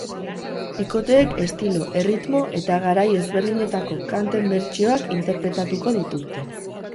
Bikoteek estilo, erritmo eta garai ezberdinetako kanten bertsioak interpretatuko dituzte.